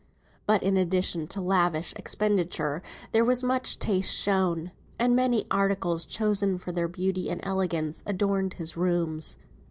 But in addition to lavish expenditure, there was much taste shown, and many articles chosen for their beauty and elegance adorned his rooms.